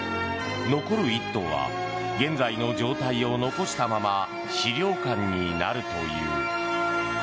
残る１棟は現在の状態を残したまま史料館になるという。